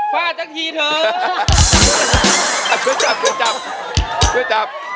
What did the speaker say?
ฝ้าจังทีเถอะ